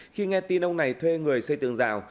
khi nghe tin ông này thuê người xây tường rào